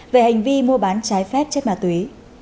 về hành vi mua bán trái phép chất ma túy